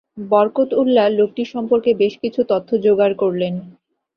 বরকতউল্লাহ লোকটি সম্পর্কে বেশ কিছু তথ্য জোগাড় করলেন।